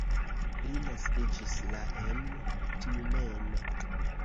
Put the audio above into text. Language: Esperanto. Li naskiĝis la en Tjumeno.